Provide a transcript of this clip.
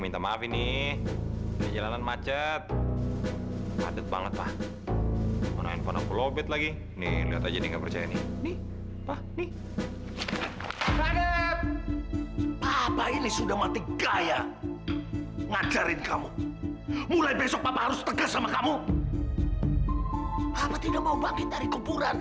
sampai jumpa di video selanjutnya